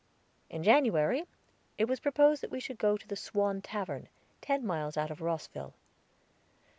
In January it was proposed that we should go to the Swan Tavern, ten miles out of Rosville.